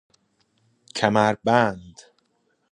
کمر بند